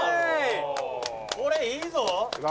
「これいいぞ！」